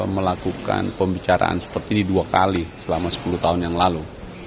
melakukan pembicaraan seperti ini dua kali selama sepuluh tahun yang lalu